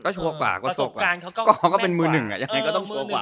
ก็ชัวร์กว่ากว่าประสบการณ์เขาก็เป็นมือหนึ่งอ่ะยังไงก็ต้องชัวร์กว่า